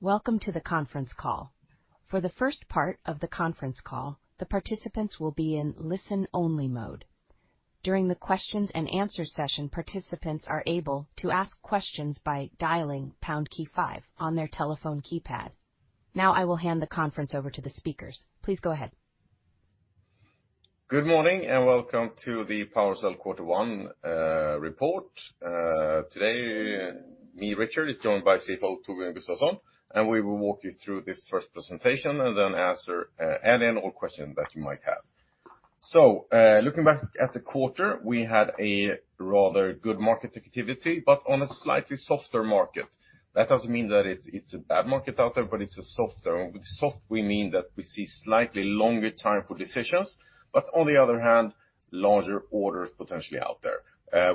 Welcome to the conference call. For the first part of the conference call, the participants will be in listen-only mode. During the questions and answer session, participants are able to ask questions by dialing pound key five on their telephone keypad. Now, I will hand the conference over to the speakers. Please go ahead. Good morning, and welcome to the PowerCell Quarter One Report. Today, me, Richard, is joined by CFO, Torbjörn Gustafsson, and we will walk you through this first presentation, and then answer any and all questions that you might have. So, looking back at the quarter, we had a rather good market activity, but on a slightly softer market. That doesn't mean that it's a bad market out there, but it's softer. With soft, we mean that we see slightly longer time for decisions, but on the other hand, larger orders potentially out there.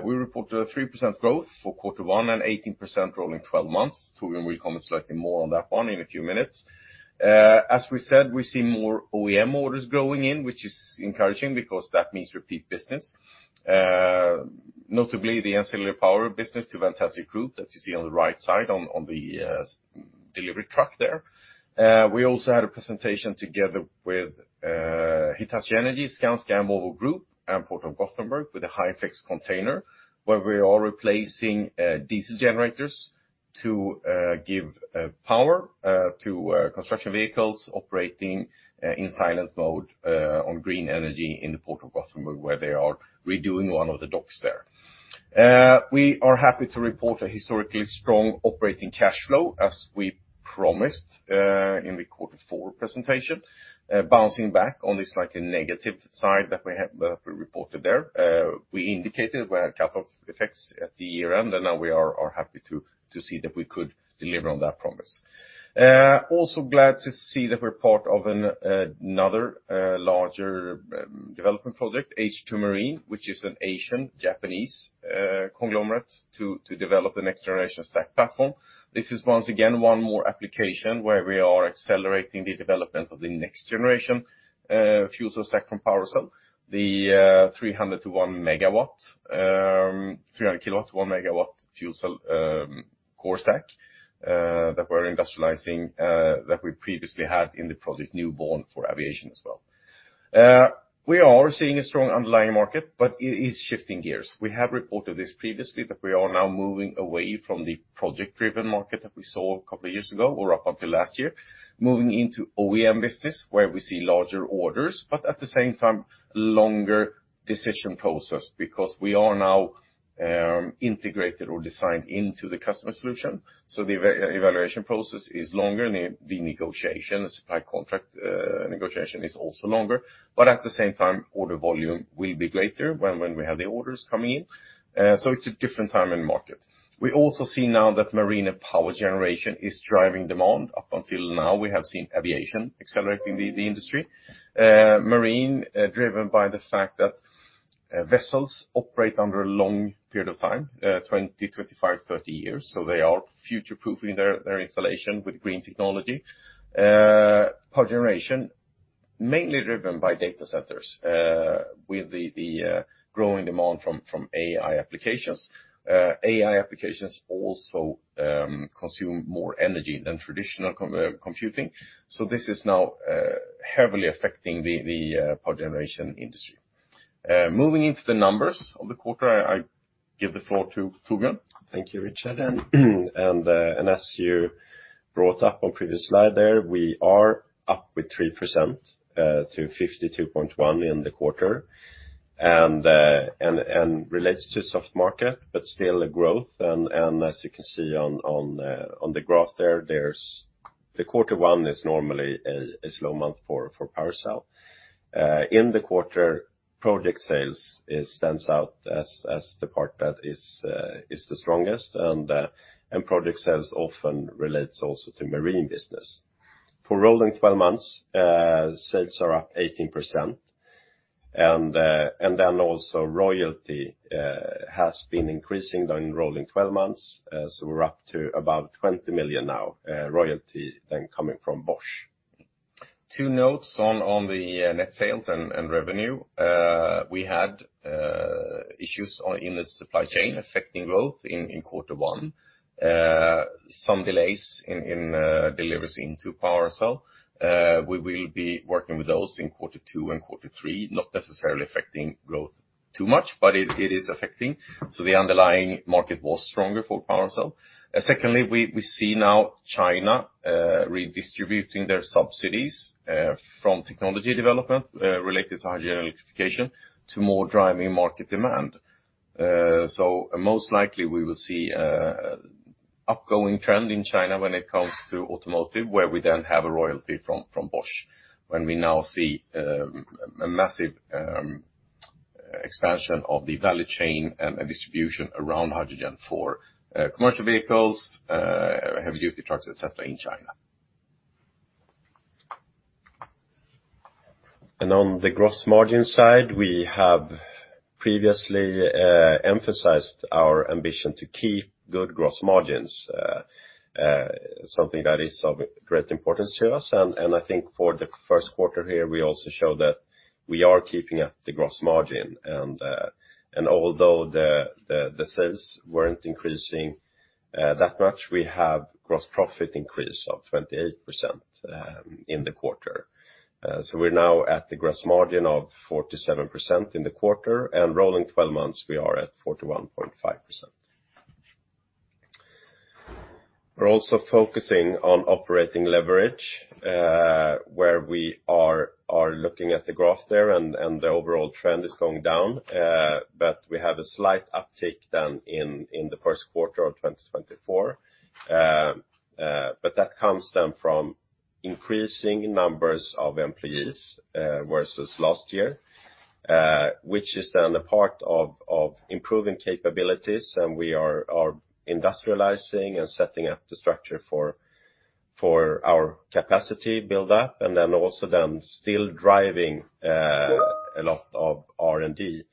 We reported a 3% growth for quarter one and 18% rolling twelve months. Torbjörn will comment slightly more on that one in a few minutes. As we said, we see more OEM orders growing in, which is encouraging because that means repeat business. Notably, the ancillary power business to Fantuzzi Group that you see on the right side on the delivery truck there. We also had a presentation together with Hitachi Energy, Skanska, Volvo Group, and Port of Gothenburg, with a HyFlex container, where we are replacing diesel generators to give power to construction vehicles operating in silent mode on green energy in the Port of Gothenburg, where they are redoing one of the docks there. We are happy to report a historically strong operating cash flow, as we promised in the quarter four presentation, bouncing back on the slightly negative side that we reported there. We indicated we had cutoff effects at the year-end, and now we are happy to see that we could deliver on that promise. Also glad to see that we're part of another larger development project, H2 Marine, which is an Asian-Japanese conglomerate to develop the next generation stack platform. This is once again one more application where we are accelerating the development of the next generation fuel cell stack from PowerCell. The 300-1 MW, 300 kW, 1 MW fuel cell core stack that we're industrializing that we previously had in the Project Newborn for Aviation as well. We are seeing a strong underlying market, but it is shifting gears. We have reported this previously, that we are now moving away from the project-driven market that we saw a couple of years ago or up until last year, moving into OEM business, where we see larger orders, but at the same time, longer decision process, because we are now integrated or designed into the customer solution. So the evaluation process is longer, the contract negotiation is also longer, but at the same time, order volume will be greater when we have the orders coming in. So it's a different time in market. We also see now that Marine and power generation is driving demand. Up until now, we have seen Aviation accelerating the industry. Marine, driven by the fact that vessels operate under a long period of time, 20, 25, 30 years, so they are future-proofing their installation with green technology. Power generation, mainly driven by data centers, with the growing demand from AI applications. AI applications also consume more energy than traditional computing, so this is now heavily affecting the power generation industry. Moving into the numbers of the quarter, I give the floor to Torbjörn. Thank you, Richard. As you brought up on previous slide there, we are up with 3% to 52.1 in the quarter, and relates to soft market, but still a growth. As you can see on the graph there, there's... The quarter one is normally a slow month for PowerCell. In the quarter, project sales, it stands out as the part that is the strongest, and project sales often relates also to Marine business. For rolling twelve months, sales are up 18%, and then also royalty has been increasing during rolling twelve months. So we're up to about 20 million now, royalty then coming from Bosch. Two notes on the net sales and revenue. We had issues in the supply chain affecting growth in quarter one. Some delays in deliveries into PowerCell. We will be working with those in quarter two and quarter three, not necessarily affecting growth too much, but it is affecting, so the underlying market was stronger for PowerCell. Secondly, we see now China redistributing their subsidies from technology development related to hydrogen electrification, to more driving market demand. So most likely, we will see a upgoing trend in China when it comes to automotive, where we then have a royalty from Bosch, when we now see a massive expansion of the value chain and a distribution around hydrogen for commercial vehicles, heavy-duty trucks, et cetera, in China. On the gross margin side, we have previously emphasized our ambition to keep good gross margins, something that is of great importance to us. I think for the first quarter here, we also show that we are keeping up the gross margin. Although the sales weren't increasing that much, we have gross profit increase of 28% in the quarter. So we're now at the gross margin of 47% in the quarter, and rolling twelve months, we are at 41.5%. We're also focusing on operating leverage, where we are looking at the graph there, and the overall trend is going down, but we have a slight uptick than in the first quarter of 2024. But that comes then from increasing numbers of employees versus last year, which is then a part of improving capabilities, and we are industrializing and setting up the structure for our capacity build-up, and then also still driving a lot of R&D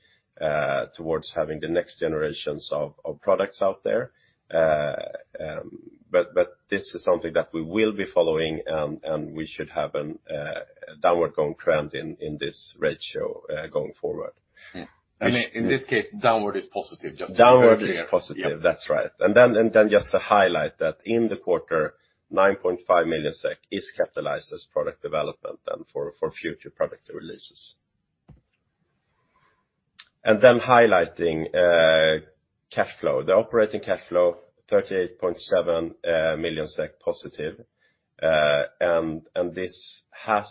towards having the next generations of products out there. But this is something that we will be following, and we should have a downward going trend in this ratio going forward. Yeah. I mean, in this case, downward is positive, just to be very clear. Downward is positive. Yeah. That's right. And then just to highlight that in the quarter, 9.5 million SEK is capitalized as product development then for future product releases. And then highlighting cash flow. The operating cash flow, 38.7 million SEK positive. And this has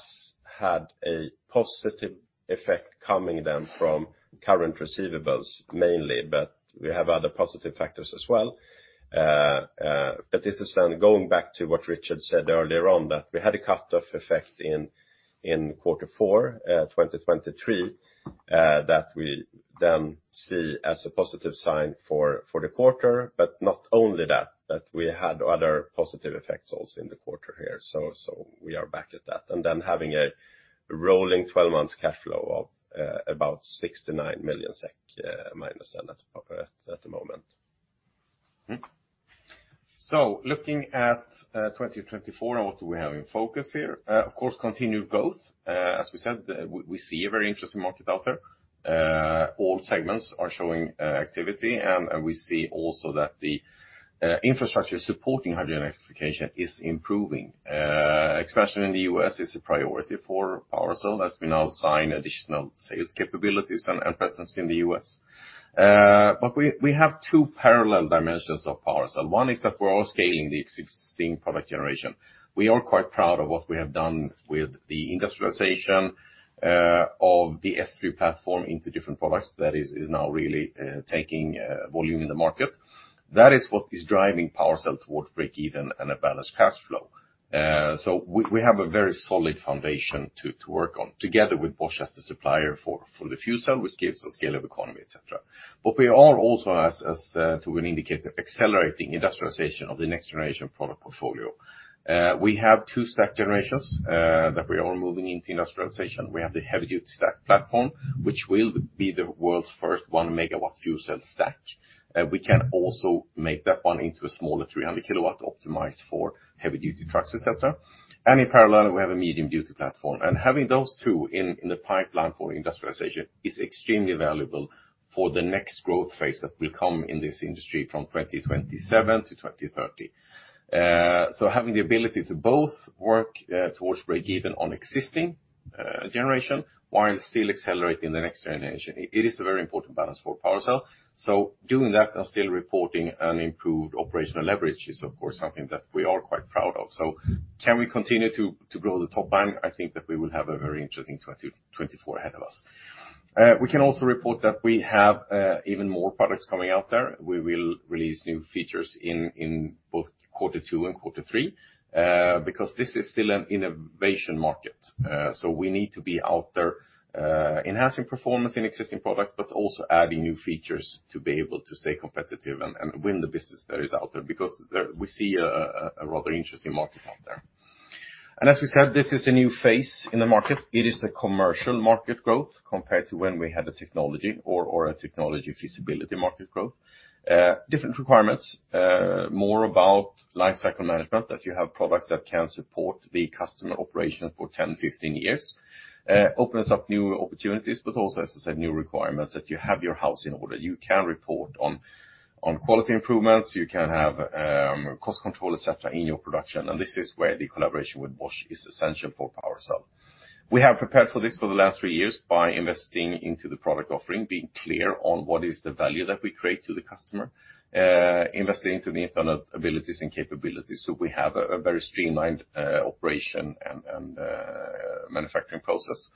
had a positive effect coming then from current receivables, mainly, but we have other positive factors as well. But this is then going back to what Richard said earlier on, that we had a cut-off effect in quarter four, 2023, that we then see as a positive sign for the quarter, but not only that, that we had other positive effects also in the quarter here. So we are back at that. And then having a rolling twelve months cash flow of about 69 million SEK, minus then at the moment. Mm-hmm. So looking at 2024, and what do we have in focus here? Of course, continued growth. As we said, we see a very interesting market out there. All segments are showing activity, and we see also that the infrastructure supporting hydrogen electrification is improving. Especially in the U.S., it's a priority for PowerCell, as we now sign additional sales capabilities and presence in the U.S. But we have two parallel dimensions of PowerCell. One is that we're scaling the existing product generation. We are quite proud of what we have done with the industrialization of the S3 platform into different products. That is now really taking volume in the market. That is what is driving PowerCell towards breakeven and a balanced cash flow. So we have a very solid foundation to work on, together with Bosch as the supplier for the fuel cell, which gives us economies of scale, etc. But we are also, as an indicator, accelerating industrialization of the next-generation product portfolio. We have two stack generations that we are moving into industrialization. We have the heavy-duty stack platform, which will be the world's first 1 MW fuel cell stack. We can also make that one into a smaller 300 kW, optimized for heavy-duty trucks, etc. And in parallel, we have a medium-duty platform. And having those two in the pipeline for industrialization is extremely valuable for the next growth phase that will come in this industry from 2027 to 2030. So having the ability to both work towards breakeven on existing generation, while still accelerating the next generation, it is a very important balance for PowerCell. So doing that and still reporting an improved operational leverage is, of course, something that we are quite proud of. So can we continue to, to grow the top line? I think that we will have a very interesting 2024 ahead of us. We can also report that we have even more products coming out there. We will release new features in, in both quarter two and quarter three, because this is still an innovation market. So we need to be out there, enhancing performance in existing products, but also adding new features to be able to stay competitive and win the business that is out there, because we see a rather interesting market out there. And as we said, this is a new phase in the market. It is the commercial market growth compared to when we had a technology or a technology feasibility market growth. Different requirements, more about life cycle management, that you have products that can support the customer operation for 10, 15 years. Opens up new opportunities, but also, as I said, new requirements, that you have your house in order. You can report on quality improvements, you can have cost control, et cetera, in your production, and this is where the collaboration with Bosch is essential for PowerCell. We have prepared for this for the last three years by investing into the product offering, being clear on what is the value that we create to the customer, investing into the internal abilities and capabilities, so we have a very streamlined operation and manufacturing process.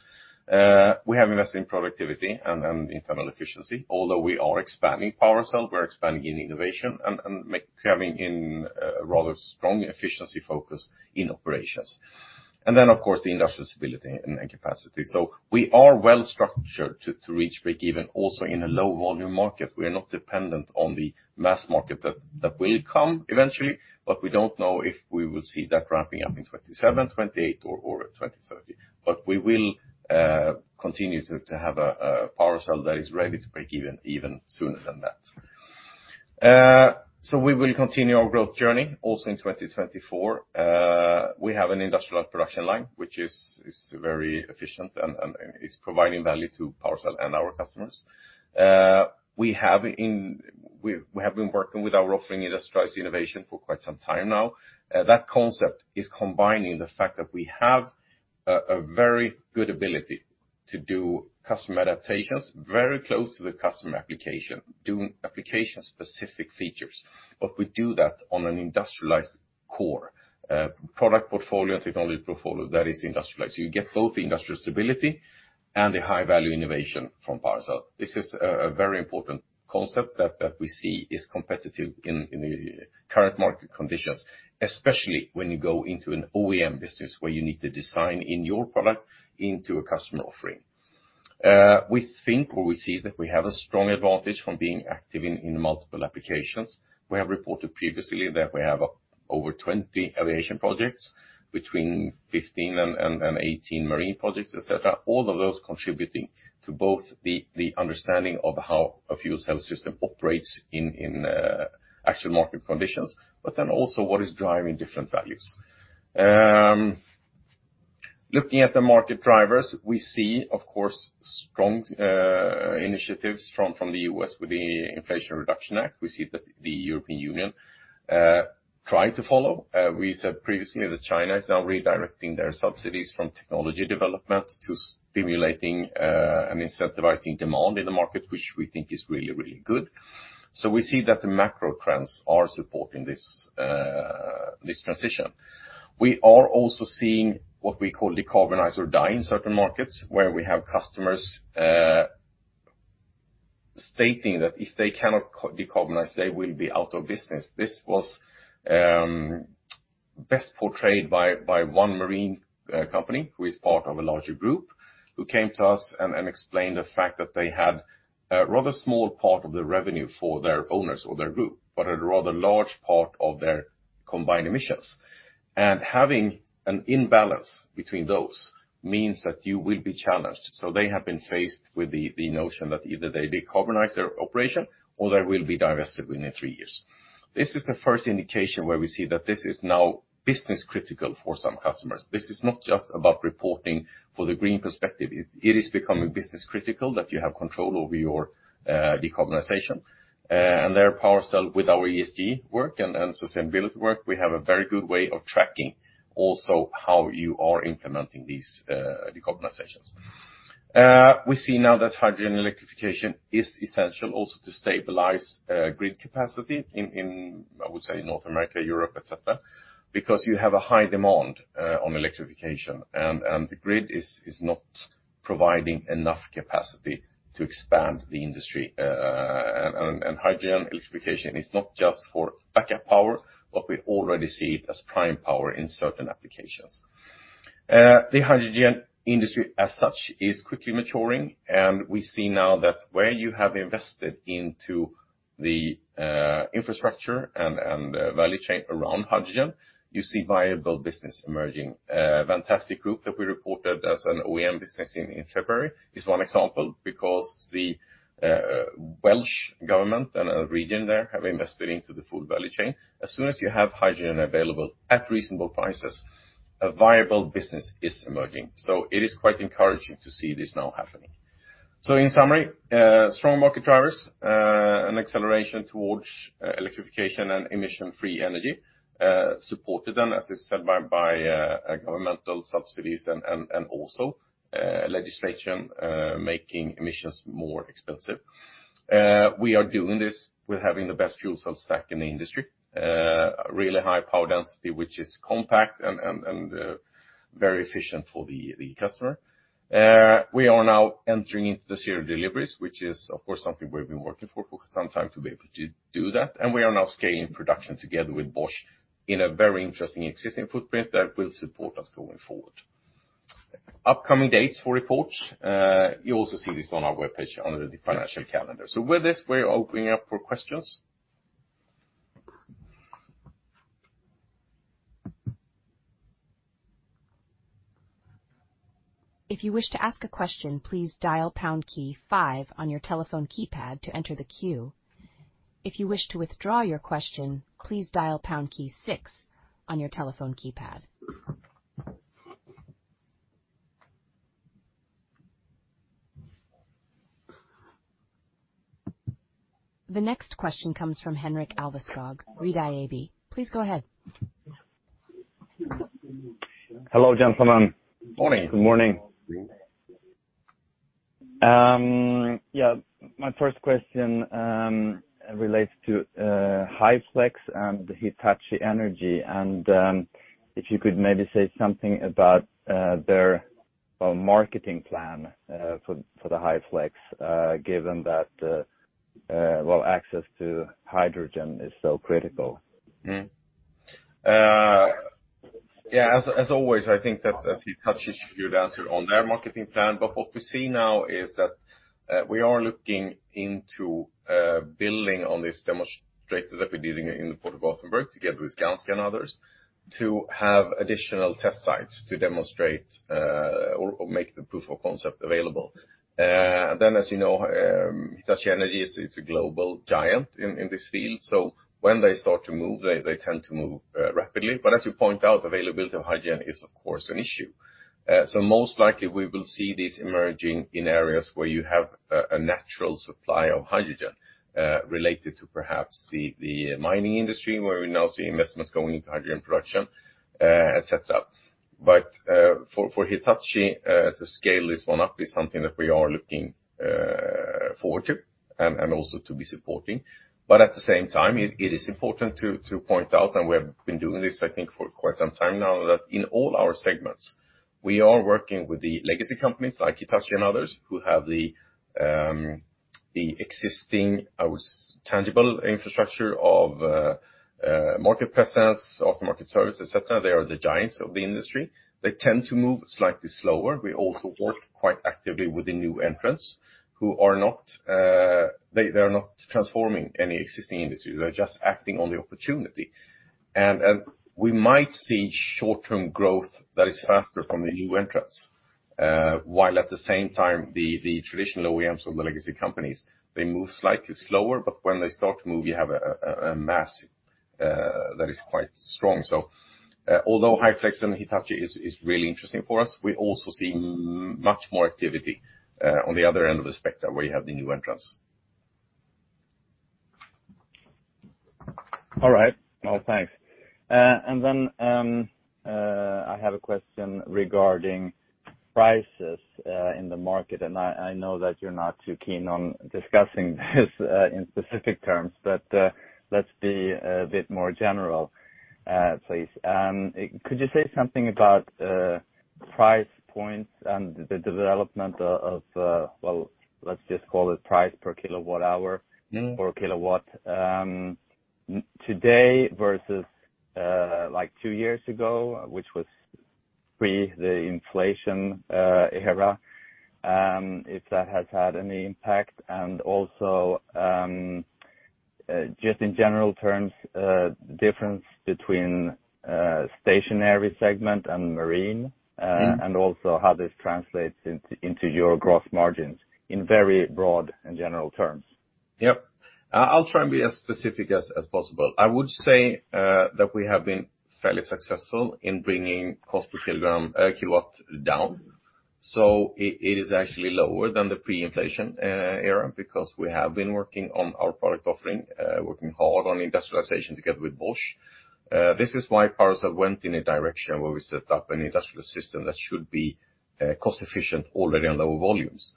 We have invested in productivity and internal efficiency. Although we are expanding PowerCell, we're expanding in innovation and having a rather strong efficiency focus in operations. And then, of course, the industrial stability and capacity. So we are well-structured to reach breakeven, also in a low volume market. We are not dependent on the mass market that will come eventually, but we don't know if we will see that ramping up in 2027, 2028 or 2030. But we will continue to have a PowerCell that is ready to break even, even sooner than that. So we will continue our growth journey also in 2024. We have an industrial production line, which is very efficient and is providing value to PowerCell and our customers. We have been working with our offering, industrialized innovation, for quite some time now. That concept is combining the fact that we have a very good ability to do custom adaptations, very close to the customer application, doing application-specific features. But we do that on an industrialized core product portfolio and technology portfolio that is industrialized. You get both the industrial stability and the high-value innovation from PowerCell. This is a very important concept that we see is competitive in the current market conditions, especially when you go into an OEM business where you need to design in your product into a customer offering. We think or we see that we have a strong advantage from being active in multiple applications. We have reported previously that we have over 20 Aviation projects, between 15 and 18 Marine projects, et cetera. All of those contributing to both the understanding of how a fuel cell system operates in actual market conditions, but then also what is driving different values. Looking at the market drivers, we see, of course, strong initiatives from the U.S. with the Inflation Reduction Act. We see that the European Union trying to follow. We said previously that China is now redirecting their subsidies from technology development to stimulating and incentivizing demand in the market, which we think is really, really good. So we see that the macro trends are supporting this this transition. We are also seeing what we call decarbonize or die in certain markets, where we have customers stating that if they cannot decarbonize, they will be out of business. This was best portrayed by one marine company who is part of a larger group, who came to us and explained the fact that they had a rather small part of the revenue for their owners or their group, but a rather large part of their combined emissions. And having an imbalance between those means that you will be challenged. So they have been faced with the notion that either they decarbonize their operation or they will be divested within three years. This is the first indication where we see that this is now business-critical for some customers. This is not just about reporting for the green perspective. It is becoming business-critical that you have control over your decarbonization. And there, PowerCell, with our ESG work and sustainability work, we have a very good way of tracking also how you are implementing these decarbonizations. We see now that hydrogen electrification is essential also to stabilize grid capacity in, I would say, North America, Europe, et cetera, because you have a high demand on electrification, and the grid is not providing enough capacity to expand the industry. Hydrogen electrification is not just for backup power, but we already see it as prime power in certain applications. The hydrogen industry, as such, is quickly maturing, and we see now that where you have invested into the infrastructure and the value chain around hydrogen, you see viable business emerging. Fantuzzi Group that we reported as an OEM business in February is one example, because the Welsh government and a region there have invested into the food value chain. As soon as you have hydrogen available at reasonable prices, a viable business is emerging. It is quite encouraging to see this now happening. So in summary, strong market drivers, an acceleration towards electrification and emission-free energy, supported then, as is said by governmental subsidies and also legislation making emissions more expensive. We are doing this with having the best fuel cell stack in the industry, really high power density, which is compact and very efficient for the customer. We are now entering into the serial deliveries, which is, of course, something we've been working for some time to be able to do that. And we are now scaling production together with Bosch in a very interesting existing footprint that will support us going forward. Upcoming dates for reports, you'll also see this on our webpage under the financial calendar. So with this, we're opening up for questions. If you wish to ask a question, please dial pound key five on your telephone keypad to enter the queue. If you wish to withdraw your question, please dial pound key six on your telephone keypad. The next question comes from Henrik Alveskog, Redeye AB. Please go ahead. Hello, gentlemen. Morning. Good morning. Yeah, my first question relates to HyFlex and Hitachi Energy, and if you could maybe say something about their marketing plan for the HyFlex, given that access to hydrogen is so critical. Yeah, as always, I think that Hitachi should answer on their marketing plan. But what we see now is that we are looking into building on this demonstrator that we're doing in the Port of Gothenburg, together with Skanska and others, to have additional test sites to demonstrate or make the proof of concept available. And then, as you know, Hitachi Energy is a global giant in this field. So when they start to move, they tend to move rapidly. But as you point out, availability of hydrogen is, of course, an issue. So most likely, we will see this emerging in areas where you have a natural supply of hydrogen related to perhaps the mining industry, where we now see investments going into hydrogen production, et cetera. But for Hitachi to scale this one up is something that we are looking forward to, and also to be supporting. But at the same time, it is important to point out, and we have been doing this, I think, for quite some time now, that in all our segments, we are working with the legacy companies like Hitachi and others, who have the existing tangible infrastructure of market presence, aftermarket service, et cetera. They are the giants of the industry. They tend to move slightly slower. We also work quite actively with the new entrants, who are not transforming any existing industry. They're just acting on the opportunity. And we might see short-term growth that is faster from the new entrants, while at the same time, the traditional OEMs from the legacy companies, they move slightly slower, but when they start to move, you have a mass that is quite strong. So, although HyFlex and Hitachi is really interesting for us, we also see much more activity on the other end of the spectrum, where you have the new entrants. All right. Well, thanks. Then, I have a question regarding prices in the market, and I know that you're not too keen on discussing this in specific terms, but let's be a bit more general, please. Could you say something about price points and the development of, well, let's just call it price per kilowatt hour. Mm. per kilowatt. Today versus, like two years ago, which was pre the inflation era, if that has had any impact? And also, just in general terms, difference between, Stationary segment and Marine- Mm. And also how this translates into your growth margins in very broad and general terms. Yep. I'll try and be as specific as possible. I would say that we have been fairly successful in bringing cost per kilowatt down. So it is actually lower than the pre-inflation era, because we have been working on our product offering, working hard on industrialization together with Bosch. This is why PowerCell went in a direction where we set up an industrial system that should be cost efficient already on lower volumes.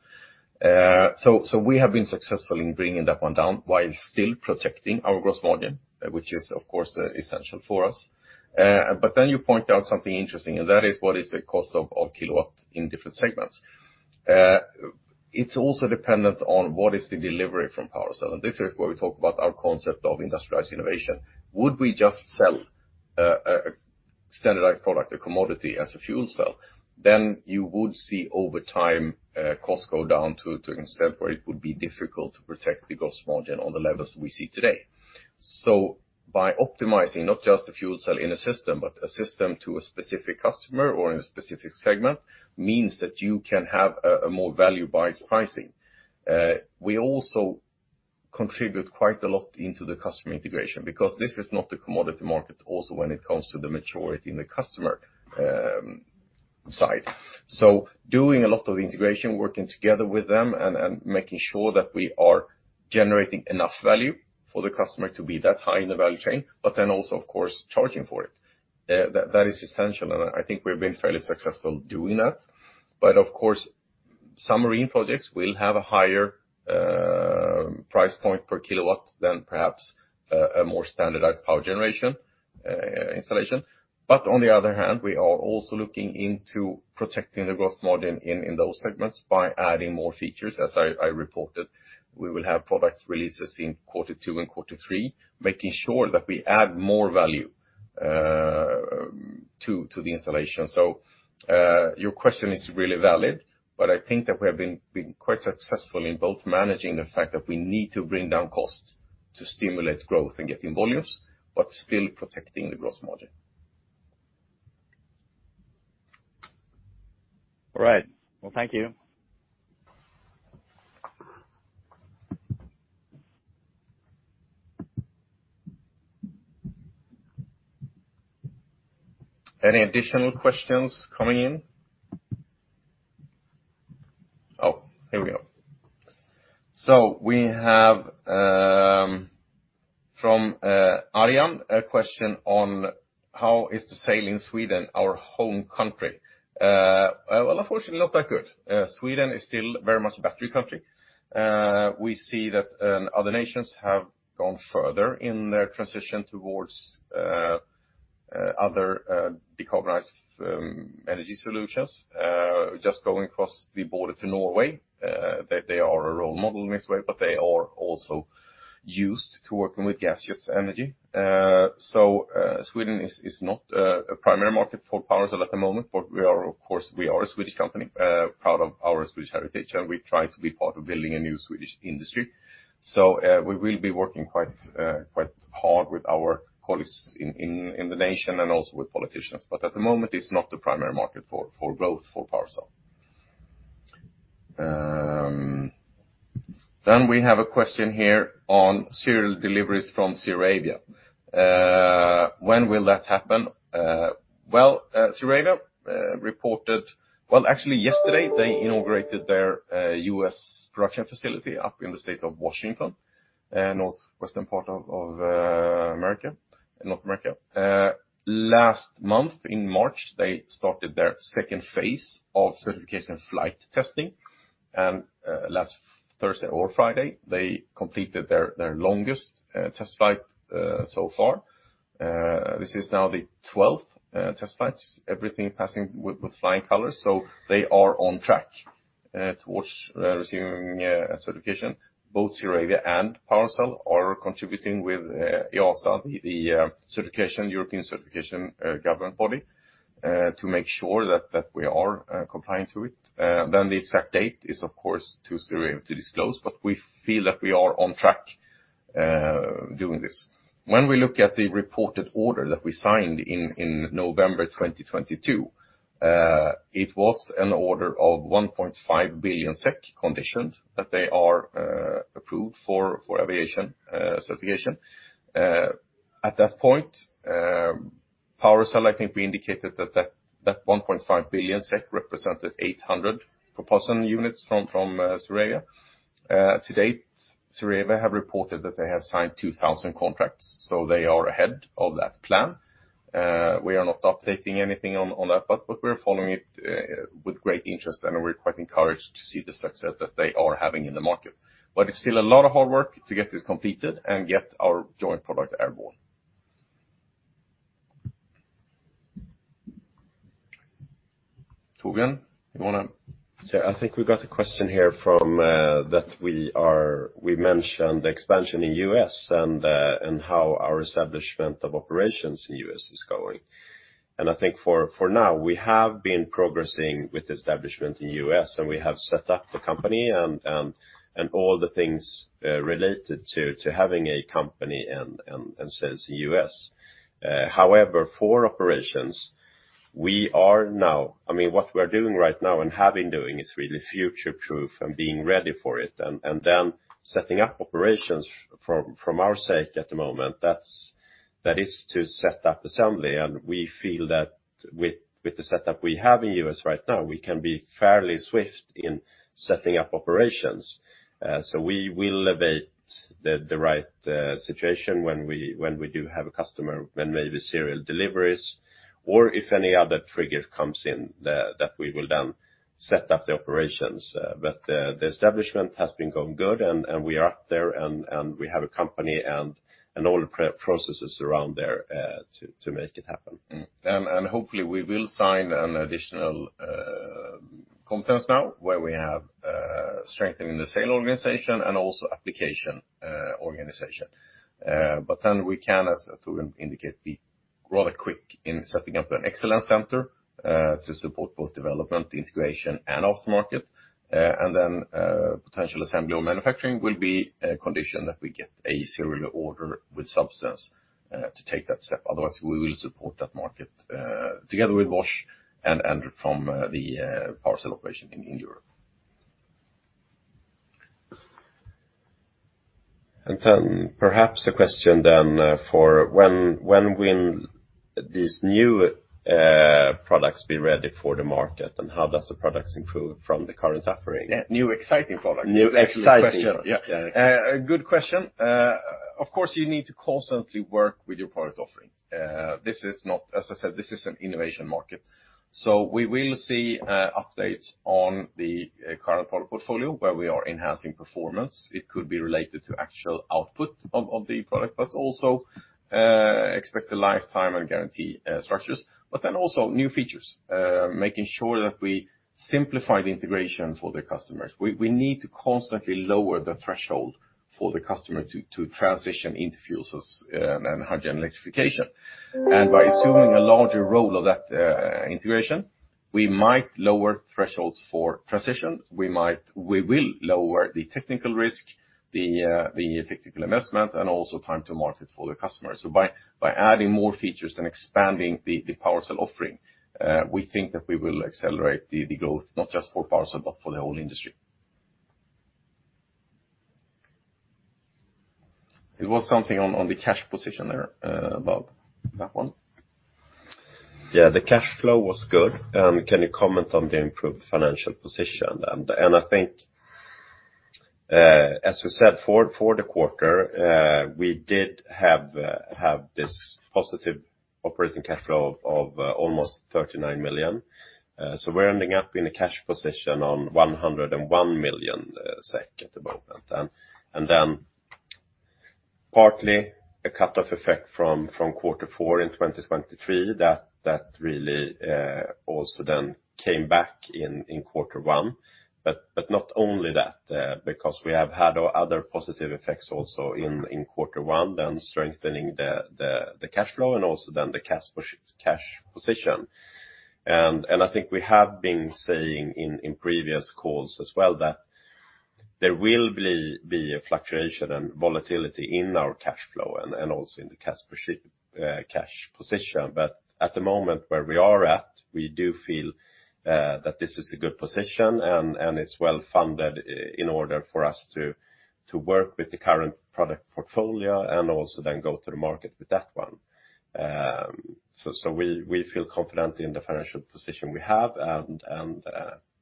So we have been successful in bringing that one down while still protecting our gross margin, which is, of course, essential for us. But then you point out something interesting, and that is: What is the cost of kilowatt in different segments? It's also dependent on what is the delivery from PowerCell, and this is where we talk about our concept of industrialized innovation. Would we just sell a standardized product, a commodity as a fuel cell? Then you would see over time costs go down to an extent where it would be difficult to protect the gross margin on the levels we see today. So by optimizing not just the fuel cell in a system, but a system to a specific customer or in a specific segment, means that you can have a more value-based pricing. We also contribute quite a lot into the customer integration, because this is not the commodity market, also, when it comes to the maturity in the customer side. So doing a lot of integration, working together with them and making sure that we are generating enough value for the customer to be that high in the value chain, but then also, of course, charging for it. That is essential, and I think we've been fairly successful doing that. But of course, some Marine projects will have a higher price point per kilowatt than perhaps a more standardized power generation installation. But on the other hand, we are also looking into protecting the gross margin in those segments by adding more features, as I reported. We will have product releases in quarter two and quarter three, making sure that we add more value to the installation. So, your question is really valid, but I think that we have been quite successful in both managing the fact that we need to bring down costs to stimulate growth and getting volumes, but still protecting the gross margin. All right. Well, thank you. Any additional questions coming in? Oh, here we go. So we have, from Aryan, a question on: How is the sale in Sweden, our home country? Well, unfortunately, not that good. Sweden is still very much a battery country. We see that other nations have gone further in their transition towards other decarbonized energy solutions. Just going across the border to Norway, they are a role model in this way, but they are also used to working with gaseous energy. So, Sweden is not a primary market for PowerCell at the moment, but we are, of course, we are a Swedish company, proud of our Swedish heritage, and we try to be part of building a new Swedish industry. So, we will be working quite, quite hard with our colleagues in the nation and also with politicians. But at the moment, it's not the primary market for growth for PowerCell. Then we have a question here on serial deliveries from ZeroAvia. When will that happen? Well, ZeroAvia reported—well, actually yesterday, they inaugurated their U.S. production facility up in the state of Washington, northwestern part of America, North America. Last month, in March, they started their second phase of certification flight testing, and last Thursday or Friday, they completed their longest test flight so far. This is now the 12th test flight, everything passing with flying colors, so they are on track towards receiving a certification. Both ZeroAvia and PowerCell are contributing with, also the certification, European certification, government body, to make sure that we are compliant to it. Then the exact date is, of course, too soon to disclose, but we feel that we are on track doing this. When we look at the reported order that we signed in November 2022, it was an order of 1.5 billion SEK conditioned that they are approved for aviation certification. At that point, PowerCell, I think we indicated that that 1.5 billion SEK represented 800 propulsion units from ZeroAvia. To date, ZeroAvia have reported that they have signed 2,000 contracts, so they are ahead of that plan. We are not updating anything on that, but we're following it with great interest, and we're quite encouraged to see the success that they are having in the market. But it's still a lot of hard work to get this completed and get our joint product airborne. Torbjörn, you want to? Yeah, I think we got a question here from that we are—we mentioned the expansion in the U.S. and how our establishment of operations in the U.S. is going. I think for now, we have been progressing with establishment in the U.S., and we have set up the company and all the things related to having a company and sales in the U.S. However, for operations, we are now I mean, what we're doing right now and have been doing is really future-proof and being ready for it, and then setting up operations from our sake at the moment, that's, that is to set up assembly, and we feel that with the setup we have in the U.S. right now, we can be fairly swift in setting up operations. So we will await the right situation when we do have a customer, when maybe serial deliveries, or if any other trigger comes in, that we will then set up the operations. But the establishment has been going good, and we are out there, and we have a company and all the processes around there, to make it happen. And hopefully, we will sign an additional contract now, where we have strengthening the sales organization and also application organization. But then we can, as Torbjörn indicates, be rather quick in setting up an excellence center to support both development, integration, and aftermarket. And then potential assembly or manufacturing will be a condition that we get a serial order with substance to take that step. Otherwise, we will support that market together with Bosch and from the parent operation in Europe. And then perhaps a question then for when, when will these new products be ready for the market, and how does the products improve from the current offering? Yeah, new exciting products. New exciting products. Yeah. A good question. Of course, you need to constantly work with your product offering. This is not, as I said, this is an innovation market. So we will see updates on the current product portfolio, where we are enhancing performance. It could be related to actual output of the product, but also expected lifetime and guarantee structures, but then also new features making sure that we simplify the integration for the customers. We need to constantly lower the threshold for the customer to transition into fuels and hydrogen electrification. And by assuming a larger role of that integration, we might lower thresholds for transition. We will lower the technical risk, the technical investment, and also time to market for the customer. So by adding more features and expanding the PowerCell offering, we think that we will accelerate the growth, not just for PowerCell, but for the whole industry. It was something on the cash position there, Bob, that one. Yeah, the cash flow was good. Can you comment on the improved financial position? And I think, as we said, for the quarter, we did have this positive operating cash flow of almost 39 million. So we're ending up in a cash position of 101 million SEK at the moment. And then partly a cut-off effect from quarter four in 2023, that really also then came back in quarter one. But not only that, because we have had other positive effects also in quarter one, then strengthening the cash flow and also then the cash position. And I think we have been saying in previous calls as well, that-... There will be a fluctuation and volatility in our cash flow and also in the cash proceeds, cash position. But at the moment, where we are at, we do feel that this is a good position, and it's well-funded in order for us to work with the current product portfolio, and also then go to the market with that one. So we feel confident in the financial position we have, and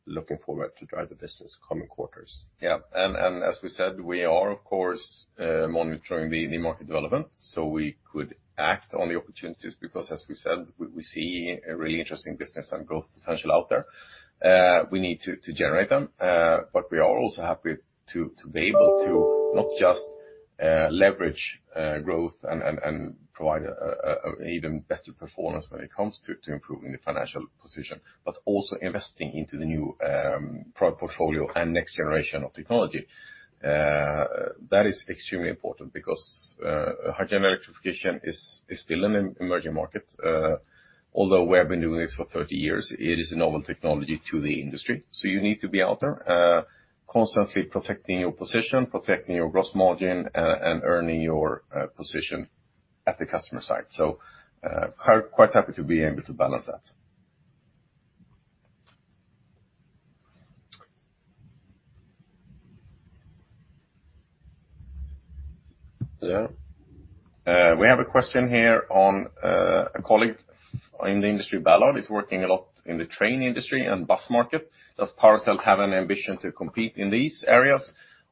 looking forward to drive the business coming quarters. Yeah. And as we said, we are, of course, monitoring the market development, so we could act on the opportunities, because as we said, we see a really interesting business and growth potential out there. We need to generate them, but we are also happy to be able to not just leverage growth and provide an even better performance when it comes to improving the financial position, but also investing into the new product portfolio and next generation of technology. That is extremely important because hydrogen electrification is still an emerging market. Although we have been doing this for 30 years, it is a novel technology to the industry, so you need to be out there, constantly protecting your position, protecting your gross margin, and earning your position at the customer site. So, quite happy to be able to balance that. Yeah. We have a question here on a colleague in the industry. Ballard is working a lot in the train industry and bus market. Does PowerCell have an ambition to compete in these areas,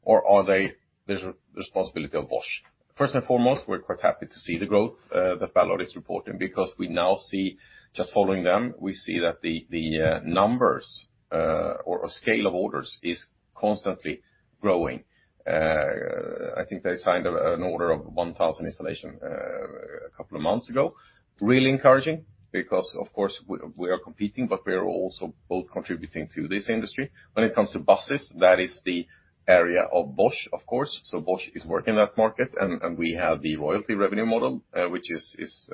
or are they the responsibility of Bosch? First and foremost, we're quite happy to see the growth that Ballard is reporting, because we now see, just following them, we see that the numbers or scale of orders is constantly growing. I think they signed an order of 1000 installation a couple of months ago. Really encouraging, because, of course, we are competing, but we are also both contributing to this industry. When it comes to buses, that is the area of Bosch, of course, so Bosch is working in that market, and we have the royalty revenue model, which is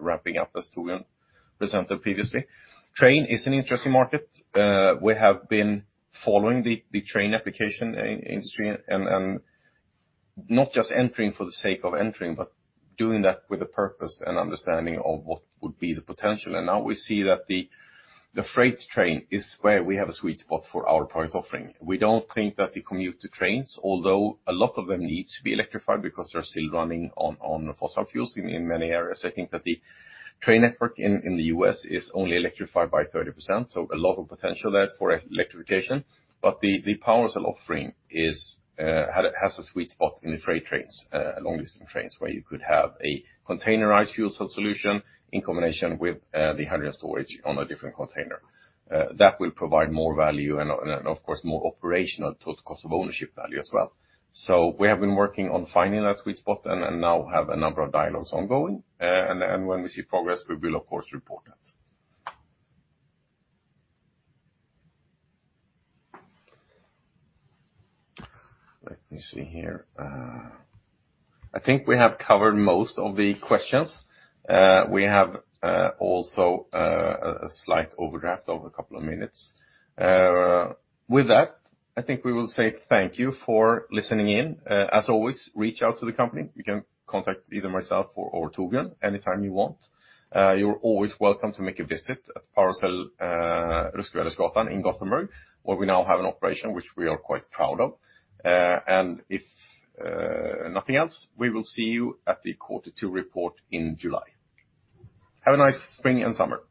wrapping up, as Torbjörn presented previously. Train is an interesting market. We have been following the train application in industry, and not just entering for the sake of entering, but doing that with a purpose and understanding of what would be the potential. And now we see that the freight train is where we have a sweet spot for our product offering. We don't think that the commuter trains, although a lot of them need to be electrified because they're still running on fossil fuels in many areas. I think that the train network in the U.S. is only electrified by 30%, so a lot of potential there for electrification. But the PowerCell offering has a sweet spot in the freight trains, long-distance trains, where you could have a containerized fuel cell solution in combination with the hydrogen storage on a different container. That will provide more value and, of course, more operational total cost of ownership value as well. So we have been working on finding that sweet spot and now have a number of dialogues ongoing. And when we see progress, we will of course report it. Let me see here. I think we have covered most of the questions. We have also a slight overdraft of a couple of minutes. With that, I think we will say thank you for listening in. As always, reach out to the company. You can contact either myself or Torbjörn anytime you want. You're always welcome to make a visit at PowerCell, Ruskvädersgatan in Gothenburg, where we now have an operation which we are quite proud of. And if nothing else, we will see you at the Quarter Two Report in July. Have a nice spring and summer!